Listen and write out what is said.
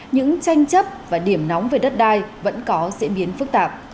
những tranh chấp và điểm nóng về đất đai vẫn có diễn biến phức tạp